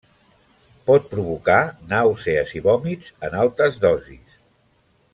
Pot provocar nàusees i vòmits en altes dosis.